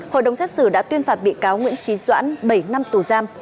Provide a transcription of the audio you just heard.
hội đồng xét xử đã tuyên phạt bị cáo nguyễn trí doãn bảy năm tù giam